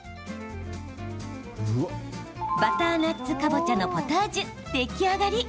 バターナッツかぼちゃのポタージュ、出来上がり。